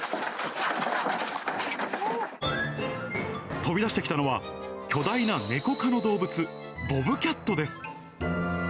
飛び出してきたのは、巨大なネコ科の動物、ボブキャットです。